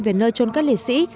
về nơi trôn cất liệt sĩ